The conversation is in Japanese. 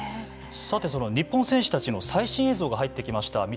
さてその日本選手たちの最新映像が入ってきました。